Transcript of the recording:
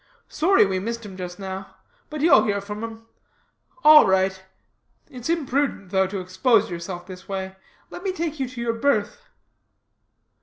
Sorry we missed him just now. But you'll hear from him. All right. It's imprudent, though, to expose yourself this way. Let me take you to your berth."